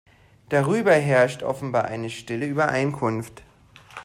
Darüber herrscht offenbar eine stille Übereinkunft.